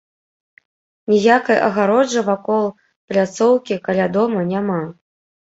Ніякай агароджы вакол пляцоўкі каля дома няма.